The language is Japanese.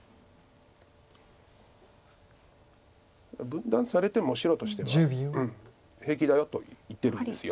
分断されても白としては平気だよと言ってるんです。